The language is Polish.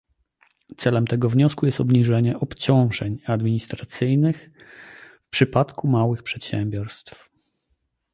Celem tego wniosku jest obniżenie obciążeń administracyjnych w przypadku małych przedsiębiorstw